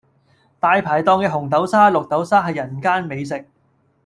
大排檔嘅紅豆沙、綠豆沙係人間美食